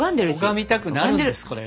拝みたくなるんですこれが。